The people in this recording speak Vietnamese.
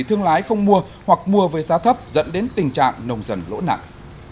thương lái không mua hoặc mua với giá thấp dẫn đến tình trạng nông dân lỗ nặng